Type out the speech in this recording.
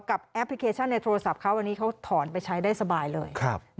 แอปพลิเคชันในโทรศัพท์เขาอันนี้เขาถอนไปใช้ได้สบายเลย